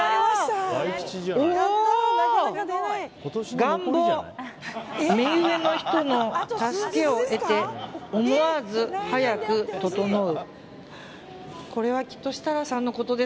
願望、目上の人の助けを得て思わず早くととのう。